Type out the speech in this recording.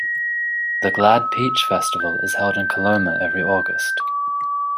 The Glad-Peach Festival is held in Coloma every August.